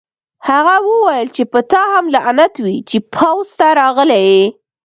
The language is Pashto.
هغه وویل چې په تا هم لعنت وي چې پوځ ته راغلی یې